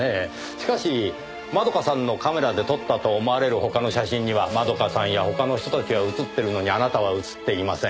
しかし円香さんのカメラで撮ったと思われる他の写真には円香さんや他の人たちは写っているのにあなたは写っていません。